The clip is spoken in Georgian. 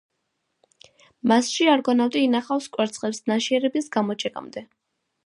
მასში არგონავტი ინახავს კვერცხებს ნაშიერების გამოჩეკამდე.